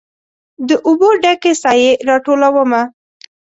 د اوبو ډ کې سائې راټولومه